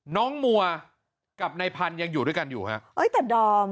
น้องมัวกับนายพันยังอยู่ด้วยกันอยู่ครับ